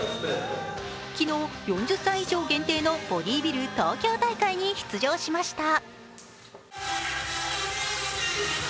昨日、４０歳以上限定のボディビル東京大会に出場しました。